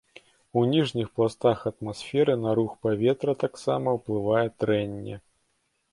У ніжніх пластах атмасферы на рух паветра таксама ўплывае трэнне.